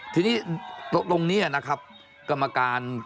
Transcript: ทีนี้ตรงนี้นะครับกรรมการ